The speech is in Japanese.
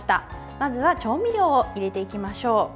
まずは調味料を入れていきましょう。